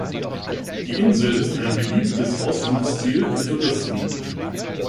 Die Insel ist ein beliebtes Ausflugsziel für Touristen.